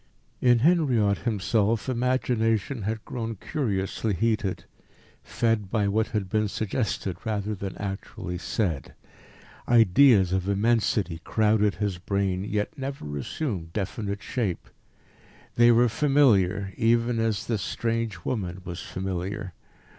In Henriot himself imagination had grown curiously heated, fed by what had been suggested rather than actually said. Ideas of immensity crowded his brain, yet never assumed definite shape. They were familiar, even as this strange woman was familiar.